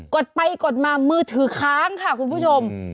ดไปกดมามือถือค้างค่ะคุณผู้ชม